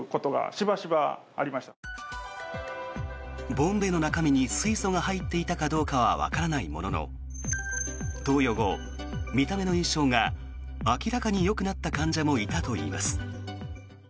ボンベの中身に水素が入っていたかどうかはわからないものの投与後、見た目の印象が明らかによくなった患者もいたといいます。